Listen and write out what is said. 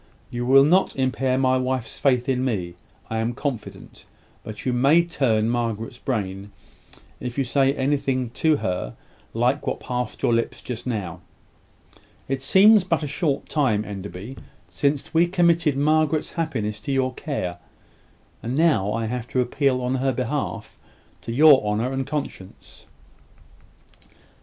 You will not impair my wife's faith in me, I am confident; but you may turn Margaret's brain, if you say to her anything like what passed your lips just now. It seems but a short time, Enderby, since we committed Margaret's happiness to your care; and now I have to appeal on her behalf to your honour and conscience."